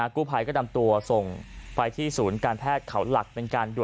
กู้ภัยก็นำตัวส่งไปที่ศูนย์การแพทย์เขาหลักเป็นการด่วน